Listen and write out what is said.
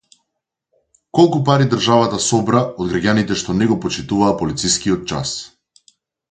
Колку пари државата собра од граѓаните што не го почитуваа полицискиот час